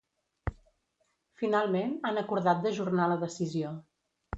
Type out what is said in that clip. Finalment han acordat d’ajornar la decisió.